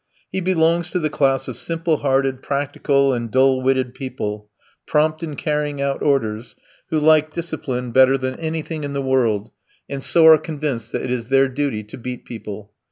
He belongs to the class of simple hearted, practical, and dull witted people, prompt in carrying out orders, who like discipline better than anything in the world, and so are convinced that it is their duty to beat people.